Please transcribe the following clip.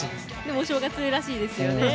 お正月らしいですよね。